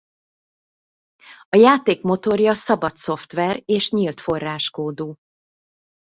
A játék motorja szabad szoftver és nyílt forráskódú.